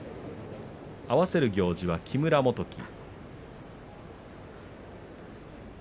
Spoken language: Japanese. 合わせる行司は木村元基。